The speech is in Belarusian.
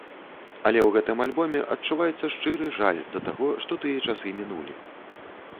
Але ў гэтым альбоме адчуваецца шчыры жаль да таго, што тыя часы мінулі.